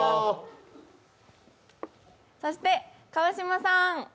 そして、川島さん。